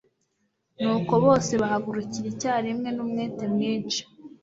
nuko bose bahagurukira icyarimwe n'umwete mwinshi